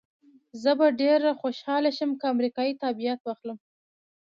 زه به ډېره خوشحاله شم که امریکایي تابعیت واخلم.